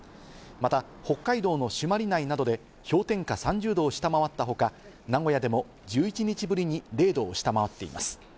また北海道の朱鞠内などで氷点下３０度を下回ったほか、名古屋でも１１日ぶりに０度を下回っています。